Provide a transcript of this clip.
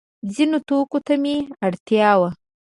ځینو توکو ته مې اړتیا وه.